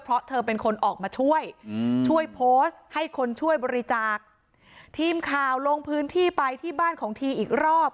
เพราะเธอเป็นคนออกมาช่วยช่วยโพสต์ให้คนช่วยบริจาคทีมข่าวลงพื้นที่ไปที่บ้านของทีอีกรอบ